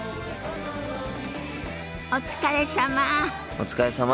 お疲れさま。